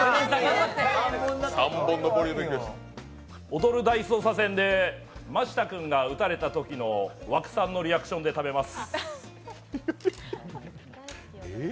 「踊る大捜査線」で真下君が撃たれたときの和久さんのリアクションで食べます。